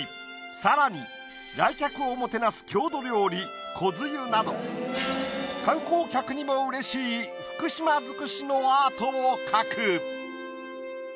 さらに来客をもてなす郷土料理こづゆなど観光客にもうれしい福島づくしのアートを描く。